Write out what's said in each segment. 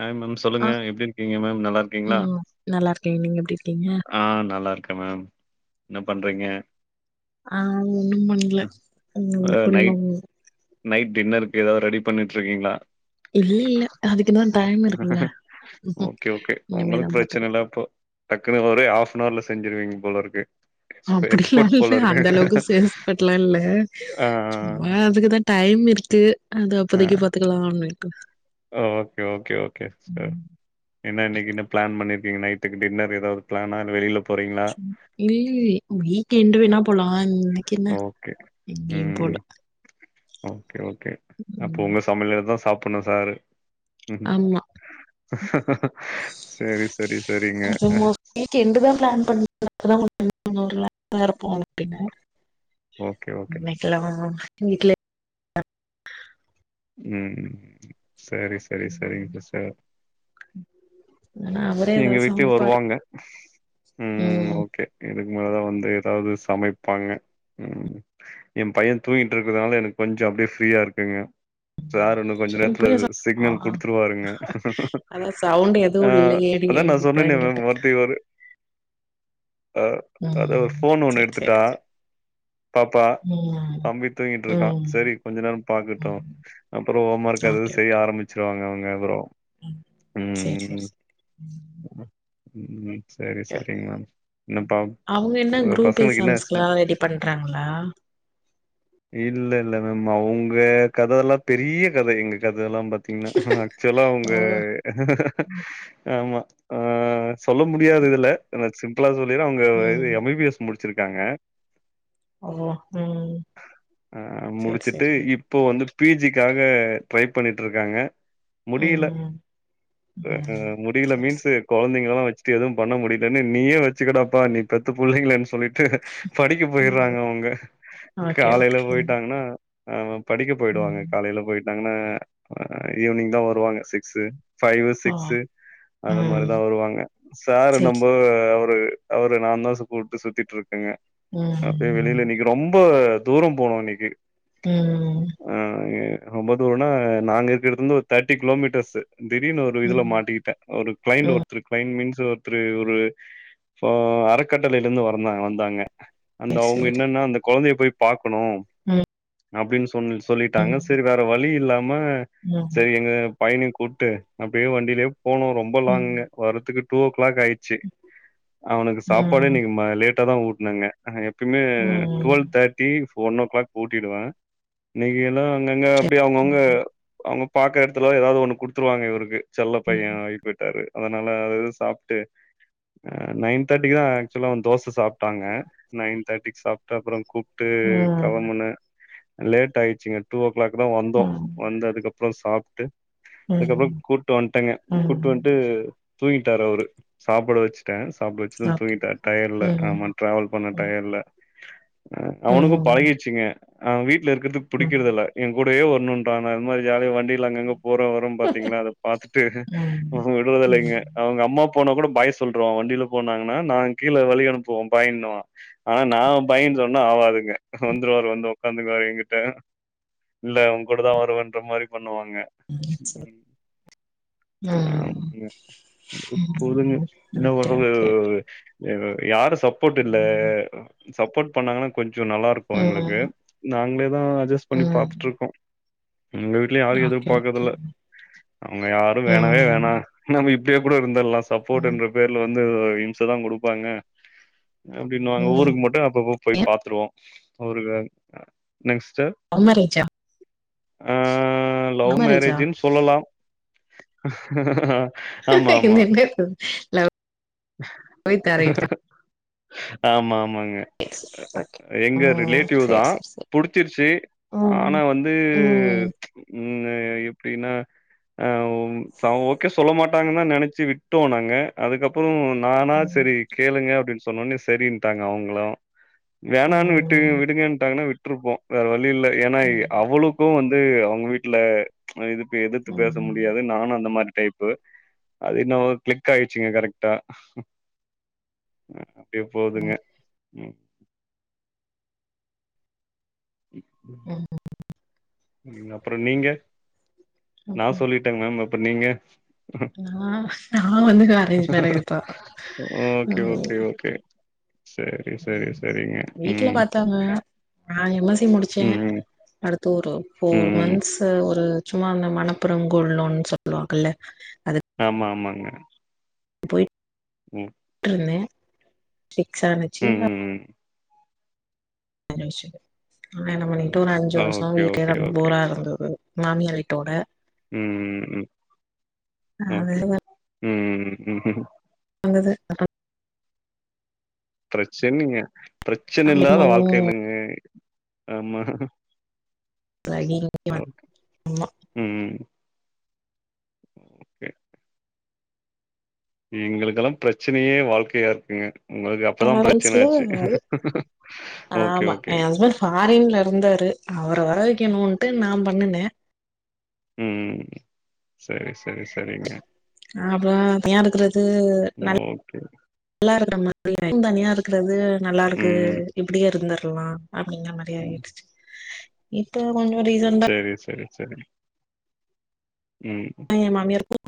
Hi ma'am ஆ சொல்லுங்க எப்டி இருக்கீங்க மேம் நல்லா இருக்கீங்களா ம் நல்லா இருக்கே நீங்க எப்டி இருக்கீங்க ஆ நல்லா இருக்கே மேம் என்ன பண்றீங்க ஆ ஒன்னும் பண்ல உ அ கொடும நைட் நைட் டின்னருக்கு ஏதாவ்து ரெடி பண்ணிட்டிருக்கீங்களா இல்ல இல்ல அதுக்குதா டைம் இருக்குல்ல. ம்ஹ்ம் ஓகே ஓகே இனிமேதா உங்ளுக்கு பிரச்சன பாத்துப்பே. இல்ல அப்போ டக்குன்னு ஒரு ஹாப்னவர்ல செஞ்சிருவீங்க போலருக்கு அப்டிலா இல்ல அந்த அளவுக் எக்ஸ்பட்லா இல்ல ஆ, சும்மா அதுக்குதே டைம் இருக்கு அது அப்போதைக்கு பாத்துக்கலா அப்டின்டு அ ஓகே ஓகே ஓகே செர் என்ன இன்னிக்கி என்ன பிளான் பண்ணிருக்கீங்க டின்னர் எதாவது பிளானா இல்ல வெளில போறீங்களா இல்ல இல்ல வீக்கெண்டு் வேணா போலா இன்னிக்கி என்ன ஓகே. எங்கயு போல ம். ஓகே ஓகே அப்ப ம் உங்க சமையலதா சாப்பிட்ணு சாரு ஆமா சேரி சேரி சேரிங்க இன்னக்கி என்டுதா பிளான் பண்ண அப்பதா கொஞ்சோ ரிலாக்ஸாக இருப்போ அப்டின்னு ஓகே ஓகே [inaudible] எங்க வீட்லே ம் சேரி சேரி சேரிங் சிஸ்டர் ஆனா அவரே எங்க ஏதாவது வீட்லயு சமைப்பாரு வருவாங்க ம் ஓகே இதுக்கு மேலதா வந்து ஏதாவது சமைப்பாங்க ம் ஏ பைய தூங்கிட்டு இருக்கிறதுனால எனக்கு கொஞ்சோ அப்டியே ஃப்ரீயா இருக்குங்க சார் இன்னு கொஞ்ச சரி நேரத்துல புளிய சா ஆ சிக்னல் குடுத்துருவாருங்க அதா சவுண்ட் ஆ எதுவு இல்லையேடி அதா நா இப்பதா சொன்னனே மேம் கேட்டே [unintelligible] ஆ அத ஒரு ம் ஃபோன் ஒண்ணு சரி சரி எடுத்துட்டா சரி பாப்பா ம் தம்பி தூங்கிட்டு இருக்கா ம் சேரி கொஞ்சோ நேரோ பாக்கட்டு ம் அப்றோ ஹோம் ஒர்க் அது இது ஓகே ஓகே செய்ய ஆரம்பிச் சிருவாங்க அவங்க அப்றோ ம் சேர் சேர் சேரி ம் ம் சேரி ஓகே. சேரிங்க மேம் என்னப்ப அவங்க என்ன குரூப் பசங்களுக்கு என்ன எக்ஸாம்ஸ்க்குலா ஸ்நாக் ரெடி பண்றாங்களா இல்ல இல்ல மேம் அவங்க கதல்லா பெரிய கத எங்களுக்கு கத எல்லா பாத் தீங்கன்னா ஆக்சுவலா அவங்க ஓ ஆமா ஆ சொல்ல முடியாது இதுல ஆனா சிம்பிளா சொல்லிற அவங்க இது ம் எம் பி பி எஸ் முடிச்சிருக்காங்க ஓ ம் ஆ சரி முடிச்சுட்டு சரி இப்ப வந்து பி ஜி க்காக ட்ரை பண்ணிட்டு இருக்காங்க முடியல ம் ம் முடியல சரி மீன்ஸ்சு சரி கொழந்தைங்கள எல்லா வெச்சுட்டு எதுவு பண்ண முடியலன்னு நீயே வெச்சுக்கிடாப்பா நீ பெத்த பிள்ளைங்களேன்னு சொல்லிட்டு படிக்க ம் போயிட்றாங்க அவங்க ஓகே காலைல ஓகே போயிட்டாங்கன்னா ஆ படிக்க போயிடுவாங்க ம் காலையில போயிட்டாங்கன்னா ஈவினிங்தா வருவாங்க சிக்ஸ்சு ஃபைவ்வு ஓ சிக்ஸ்சு அந்த ம் மாரிதா வருவாங்க சாரு சரி நம்ப அவுரு அவர நா தா கூப்பிட்டு சுத்திட்டு இருக்கேங்க அப்டியே ம் வெளில இன்னிக்கி ரொம் ரொம்ப தூரோ போனோ இன்னிக்கி ம் ஆ ரொம்ப தூரன்னா நாங்க இருக்கிறதுல இருந்து ஒரு தேர்ட்டி கிலோ மீட்டர்ஸ்சு திடீர்னு ஒரு இதுல ம் மாட்டிக்கிட்டே ஒரு கிளைண்ட் ம் ஒருத்தரு கிளைண்ட் மீன்ஸ் ஒருத்தரு ஒரு இப்போ அறக்கட்டளையில இருந்து வர்ந்தா வந்தாங்க அந்த சேரி அவங்க சேரி என்னன்னா அந்த கொழந்தைய போய் பாக்கணு ம் அப்டின்னு சொனு சொல்லிட்டாங்க ம் சேரி வேற வழி இல்லாம ம் செரி எங்க பையன கூட்டு அப்படியே வண்டியிலயே போனோ ரொம்ப ம் லாங்குக வரதுக்கு டூ ஓ கிளாக் ஆயிடுச்சு அவனுக்கு ம் சாப்பாடே இன்னிக்கி மா லேட் ட்டாதா ஊட்டுனாங்க எப்பயுமே ம் டுவெல் தேர்ட்டி ஒ ஓ கிளாக் ஊட்டிடுவே இன்னிக்கி எல்லா அங்கங்க சரி அப்டியே அவங்கவுங்க ம் அவங்க பாக்கிற எடத்துல ஏதாவது ஒண்ணு குடுத்துருவாங்க இவருக்கு செல்ல பைய ம் போயிட்டாரு அதனால அத எது சாப்பிட்டு ஆ நைன் தேர்ட்டிக்கு தா ஆக்சுலா வந்து தோச சாப்பிட்டாங்க நைன் தேர்ட்டிக்கு சாப் அப்றோ கூப்டு ம் கெளம்பினே லேட் ஆயிடுச்சுங்க டூ ஓ கிளாக் தா வந்தோ ம் வந்து அதுக்கு அப்றோ சாப்ட்டு அதுக்கு அப்றோ ம் கூட்டு வன்டேங்க கூட்டு ம் வன் ட்டு தூங்கிட்டாரு அவுரு சாப்புட வச்சுட்டே சாப்பிட வச்சது ஓகே தூங்கிட்டாரு டயட்ல ம் ஆமா ட்ராவல் பண்ண ம் டயட்ல அவனுக்கு ம் பழகிர்ச்சுங்க அவ வீட்ல இருக்கற்து ம் ம் பிடிக்குறதுல்ல எ கூடவே வர்னுன்றா நா என்னமோ ஜாலிய வண்டியில அங்க இங்க போற அப்றோ பாத்திங்ன்னா அத பாத்துட்டு விட்றது இல்லைங்க ம் அவுங்க அம்மா போனா கூட பாய் சொல்றுவா வண்டியில போனாங்ன்னா நா கீழ வெளையாட போவோ பாயினுவா ஆனா நா பாய்னு சொனா ஆவாதுங்க வந்துருவாரு வந்து உக்காந்துக்குவாரு எ கிட்ட இல்ல உ கூட தா வருவேன்ற மாரி பண்ணுவாங்க ம் சரி ம் ம் ஆமாங்க எப்படியோ ம் போதுங்க என்ன ஓகே பண்றது ஓகே வேர யாரு சப்போட் இல்ல சப்போட் பண்ணாங்ன்னா கொஞ்சோ நல்லா இருக்கு எங்ளுக்கு ம் நாங்ளேதா அஜெஸ் பண்ணி ம் பாத்துட்ருக்கோ எங்க வீட் லையு ஆள் ஓகே ஓகே எதிர்பாக்ரதுல அவங்க யாரு வேணவே ம் வேணா நம்ம இப்டியே கூட இருந்துர்ல்லா ம் சப்போட்டுன்ற பேர்ல வந்து இம்சைதா குடுப்பாங்க அப்டின்னு வாங்க ம் ஊருக்கு மட்டு அப்பப்ப ஏ போய் பாத்ருவோ என்னங்க சிஸ்டர் லவ் மேரேஜ்ஜா அ லவ் மேரேஜ்ன்னு சொல்லலா ஆமா, ஆமா. [unintelligible] லவ் வித் அரேஞ்ச் ஆமா ஆமாங்க [unintelligible] எங்க ம் ரிலேட்டிவ்தா சேரி சேரி சேரி புடிச்சிருச்சு ஆனா ம் வந்து ம் ம் ங்க எப்டின்னா ஆ ம் சவ் ஓகே சொல்ல மாட்டாங்கன் தா நெனச்சு விட்டோ நாங்க அதுக்கப் றோ நானா செரி கேளுங்க அப்டின்னு சொன்னோனே செரின்டாங்க அவுங்களு வேணான்னு ம் விட்டு விடுங்கன்டாங்கன்னா விட்டுருப்போ வேற வழி இல்ல ஏன்னா ம் அவளுக் கு வந்து அவுங்க வீட்ல இதுக்கு எதுத்து பேச மு ம் டியாது நானு அந்த மாதிரி டைப்பு அது என்னவோ க்ளிக் ஆயிடுச்சுங்க கரெக்ட் டா அப்டியே போதுங்க ம் ம் ம் அப்றோ நீங்க நா அப்புறம் சொல்லி டங்க மேம் அப்றோ நீங்க நா நா வந்து அரேஞ்ச் மேரேஜ் தா ஓகே ம் ஓகே ஓகே செரி செரி செரிங்க ம் அதாங்க நா எம் எசி முடிச்சே ம், அடுத்து ஒரு ம், ஃபோர் ம். மன்த்ஸ் ஒரு சும்மா அந்த மனப்புறம் கோல்ட் லோன்னு சொல்லுவாங்கல்ல ஆமா ஆமாங்க போய் ம் பொய்ட்ருந்தே ஃபிக்ஸ் ஆனுச்சி ம், ம், ம். மேரேஜ்ஜூ ஆன என்ன பண்ணிட்டு ஒரு அஞ்சு வர்ஷோ ஓகே, வீட்லே ஓகே, கடந்து ஓகே. போரா இருந்துது மாமியார் வீட்டோட ம் ம் ம் அது ஓகே ம்ம் அந்தது பிரச்சன்னீங்க பிரச்சன இல்லாத அம்மாவு வாழ்க்க என்னங்க ஆமா ஒ ஆமா ம் ம் ஓகே எங்களுக்கெல்லாம் பிரச்சனையே வாழ்க்கையா இருக்குங்க உங்களுக்கு அப்பதா பிரச்சன டிராவல்ஸ்ல ஆச்சு ஓகே ஆமா ஓகே என் ஹஸ்பண்ட் ஃபாரின்ல இருந்தாரு அவர வர வைக்கணுன்ட்டு நா பண்ணுனே ம் ம் சரி சரி ச அ அப்ற தனியா இருக்கறது நல் ஓகே. நல்லாருக்குறமாரி தனியா இருக்குறது நல்லா இருக்கு ம். இப்டியே இருந்துரலா அப்டிங்க மாரி ம். ஆயிடுச்சு இப்ப கொஞ்ச ரீசன் செரி செரி செரி ம் எ மாமியருக்கு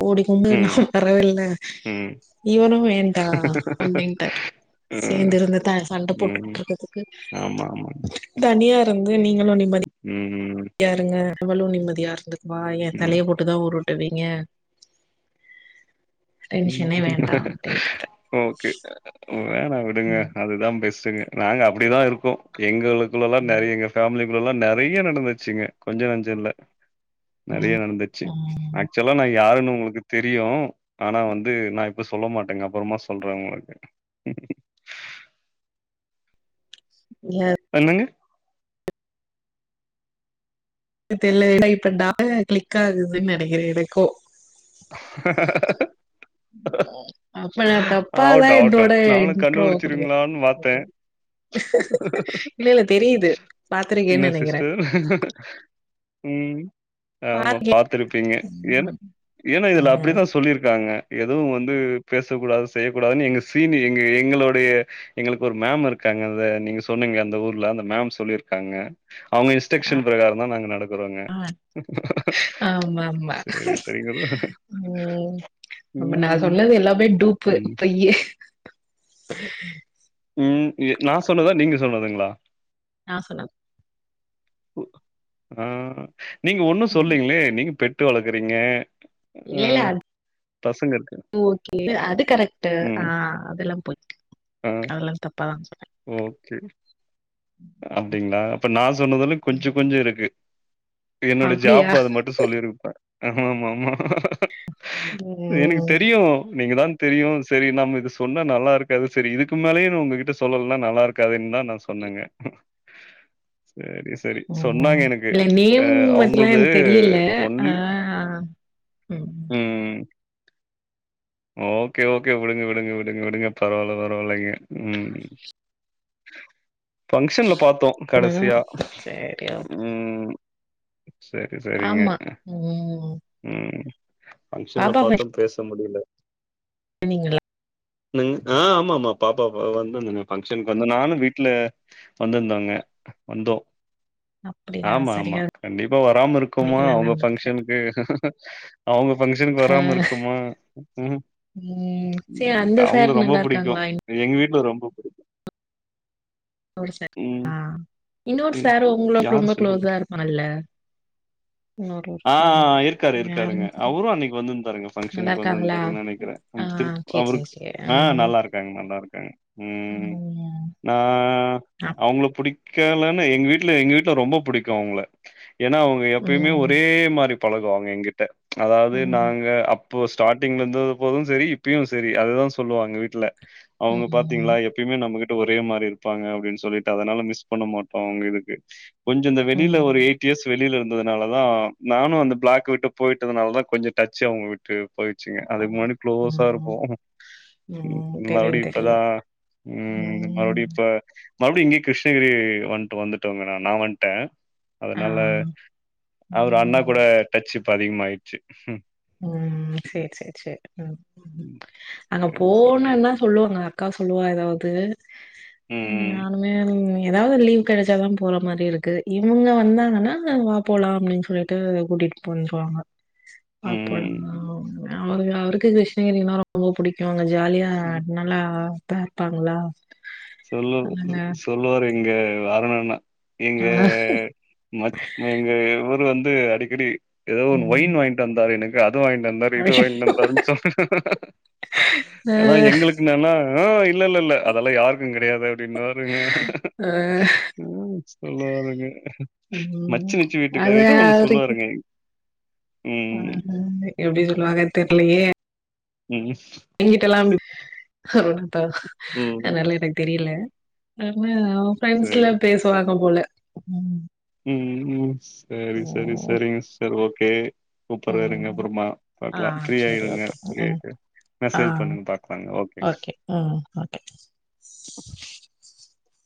கோடி கும்புடு நா ம். வரவேயில்ல ம். இவனு வேண்டா அப்டின்ட்டாரு ம். சேந்து இருந்து தா சண்டை போட்டுக்கிட்டு ம். இருக்கதுக்கு ஆமா ஆமா தனியா இருந்து நீங்களு நிம்மதி ம் ம் ம் யாருங்க அவளு நிம்மதியா இருந்துக்குவா எ ம். தலய போட்டுதா உருட்டுவீங்க ம் டென்ஷனே வேண்டா அப்டின்ட்டாரு ஓகே ம் வேணா விடுங்க ம் அதுதா பெஸ்ட்டுங்க நாங்க அப்படிதா இருக்கோ எங்களு குள்ளல்லா நெறையங்க எங்க ஃபேமிலிக்குள்ள எல்லா நெறைய நடந்துச்சுங்க கொஞ்ச நஞ்ச இல்ல நெறைய நடந்துச்சு ம் ம் அக்சுவலா நா யாருன்னு உங்களுக்கு தெரியு ஆனா வந்து நா இப்ப சொல்ல மாட்டேங்க அப்புறமா சொல்றே உங்களுக்கு யே என்னங்க னு தெர்ல ஏனா இப்ப நா கிளிக் ஆகுதுன்னு நெனக்கிறே எனக்கு [inaudible] அப்ப நா தப்பாதா ஆவட்டும், என்னோட ஆவட்டும். நானும் இன்ட்ரோ குடு கண்டுபிடிச்சிருவீங்களான்னு பார்த்தேன். இல்ல இல்ல தெரியுது பாத்துருக்கேன்னு என்ன நினைக்கிறே சிஸ்டர்? ம் ஆமா பாத்திருக்கே பாத்தருப்பீங்க ஏன்ன ஏன்னா இதுல ம் அப்டிதா சொல்லிருக்காங்க எதுவு வந்து பேசக்கூடாது செய்யக்கூடாதுன்னு எங்க சீனு எங்க எங்களுடைய எங்களுக்கு ஒரு மேம் இருக்காங்கல்ல நீங்க சொன்னீங்க அந்த ஊர்ல அந்த மேம் சொல்லிருக்காங்க அவங்க இன்ஸ்ட்ரக்சன் பிரகாரம் தா நாங்க நடக்கறோங்க ஆமா ஆமா ஆமா சரி, சரிங்க ப்ரோ. ம் அப்ப நா ம். சொன்னது எல்லாமே டூப்பு ம். பொய்யி ம் இ நா சொன்னதா நீங்க சொன்னதுங்களா நா சொன்னது ஆ நீங்க ஒண்ணு ம் சொல்லீங்களே நீங்க பெட்டு வளக்குறீங்க இல்லேல்ல அ பசங்கருக்கு ஓகே அது கரெக்ட்டு ஆ அதெல்லாம் போயிட்டு ம் அதெல்லா தப்பா தா சொன்னே ஓகே அப்டிங்களா அப்ப நா சொன்னதில்லு கொஞ்ச கொஞ்ச இருக்கு என்னோட அப்டியா ஜாப் அது மட்டு சொல்லிருப்பே ஆமா ஆமா எனக்கு ம் தெரியு நீங்க தான் தெரியு சரி நம்ம இது சொன்னா நல்லா இருக்காது சரி இதுக்கு மேலயு உங்ககிட்ட சொல்லலனா நல்லா இருக்காதுன்னு தா நா சொன்னேங்க சேரி சரி ம் சொன்னாங்க எனக்கு இல்ல அ நேம் மட்டும்லா அவங்கள்து எனக்கு தெரியல ஆ ஒன்லி ம் ஓகே ஓகே விடுங்க விடுங்க விடுங்க விடுங்க பரவாயில்ல பரவாயில்லைங்க ம் பங்க்ஷன்ல பாத்தோம் கடைசியா சரி ஓ ம் சேரி சேரிங்க ஆமா ம் ம் பங்க்ஷன்ல பாப்பா பாத்தும் பேச முடியல போனீங்களா என்னங்க அ ஆமா ஆமா பாப்பா வந்துருந்தேன்ங்க பங்க்ஷனுக்கு வந்து நானும் வீட்ல வந்திருந்தாங்க வந்தோம் அப்டியா ஆமா ஆமா சரியா கண்டிப்பா வராம இருக்கோமா பண்ணிக்கலான்னு உங்க நெனைக்கிறே பங்க்ஷனுக்கு அவங்க பங்க்ஷனுக்கு ஆ வராம இருக்கோமா ம் சரி அந்த அவங்க சார் ரொம்ப நல்லா புடிக்கும் இருக்காங்களா எங்க வீட்ல ரொம்ப புடிக்கு ம் இன்னோரு ம். சாரு உங்களோளுக்கு யார ரொம்ப க்ளோஸா இருப்பா இல்ல அஆ இருக்காரு இருக்காருங்க யாருன்னு தெரியல அவரு அன்னைக்கு வந்திருந்தாருங்க நல்லா பங்க்ஷனுக்கு இருக்காங்களா வந்திருந்தாருங்கன் நெனைக்கிறே ஆ த்து சேரி சேரி அவருக்கு சேரி ஆ ம் நல்லா இருக்காங்க நல்லா இருக்காங்க ம் ம் நா அப் அவங்கள புடி கேலன்ன எங்க வீட்ல எங்க வீட்ல ரொம்ப புடிக்கு அவங்கள ஏன்னா அவங்க எப்பயுமே ம் ஒரே மாரி பழகுவாங்க எங்கிட்ட அதாவது ம் நாங்க அப்ப ஸ்டார்ட்டிங்ல இருந்த போதும் சரி இப்பயும் சரி அததான் சொல்லுவாங்க வீட்ல அவங்க பாத்தீங்களா எப் பயுமே நம்மகிட்ட ஒரே மாரி இருப்பாங்க அப்டின்னு சொல்லிட்டு அதனால மிஸ் பண்ண மாட்டோ அவங்க இதுக்கு கொஞ்ச இந்த வெளில ம் ஒரு எயிட் இயர்ஸ் வெளியில இருந்ததுனால அதா நானு அந்த பிளாக் விட்டு போயிட்டதுனாலதா கொஞ்ச டச்சு அவங்க விட்டு ப்போயிச்சுங்க அதுக்கு முன்னாடி குளோஸா ம் ம் இருப்போ ம். தெரியும், மறுடியு இப்பதா தெரியும். ம் மறுடியு இப்ப மறுபடியு இங்கேயே கிருஷ்ணகிரி வந்துட்டு வந்துட்டோங்க நான் நா வந்ட்டே ஆ. அதனால அவரு அண்ணா கூட ம். டச் இப்ப அதிகமாயிட்ச்சு ம் சேர் சேர் சேர் உம் அங்க சரி சரி போணுனா சொல்லுவாங்க அக்கா சொல்லுவா எதாவ்து நா ம் ஒன்னுமே எதாவ்து லீவ் கெடச்சாதா போற மாரி இருக்கு இவுங்க வந்தாங்கனா போலா அப்டின் சொல்லிட்டு கூட்டிட்டு போய்ருவாங்க அப்பற ம் அவரு அவருக்கு கிருஷ்ணகிரினா ரொம்ப புடிக்கு அங்க ஜாலியா அ ம் நல்லா பாப்பாங்களா சொல்லு சொல்லுவாரு இங்க வரனுன்னா இங்க ஆ எங்க இவரு வந்து அடிக்கடி எதோ ஒன்னு ம். ஒயின் வாங் கித்தந்தாரு எனக்கு அத வாங்கிட்டு வந்தாரு அ, இத வாங்கிட்டு வந்தாரு சொல் ஆனா எங்களுக்கு என்னன்னா உம் இல்ல இல்ல இல்ல அதெல்லா யாருக்கு கெடையாது அப்டின்னுவாருங்க அ ம் சொல்லுவாருங்க ம் மச்சினிச்சி அது வீட்டுக்கார் ஏதோ ஒண்ணு அவரே கூப் சொல்லுவாருங்க ம் எப்டி சொல்லுவாங்கன் தெர்லையே ம் எங்கிட்ட எல்லாம் அ அதா ம் அதனால எனக்கு தெரியல ம் அவன் சரி ஃப்ரெண்ட்ஸ்ல்லா பேசுவாங்க போல ம் ம் ம் சரி சரி ம் சரிங்க சிஸ்டர் ஓகே கூப்புறேன் இருங்க ம் அப்பறமா ஆ பாக்கலாம் சரி ஃப்ரீயிருங்க ஓகே ஃப்ரீ ம் ஆயிட்டு ஆ மெசேஜ் பண்ணுங்க பாக்லாம் ஓகே ம் ஓகே